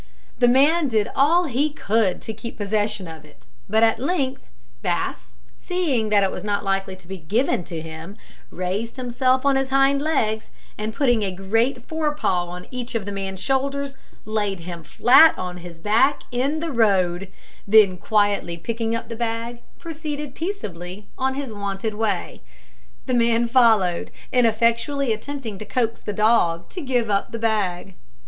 The man did all he could to keep possession of it; but at length Bass, seeing that it was not likely to be given to him, raised himself on his hind legs, and putting a great fore paw on each of the man's shoulders, laid him flat on his back in the road, then quietly picking up the bag, proceeded peaceably on his wonted way. The man followed, ineffectually attempting to coax the dog to give up the bag.